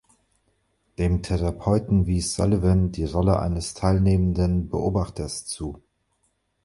Dem Therapeuten wies Sullivan die Rolle eines teilnehmenden Beobachters zu.